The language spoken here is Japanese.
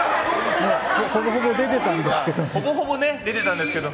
ほぼほぼ出てたんですけど。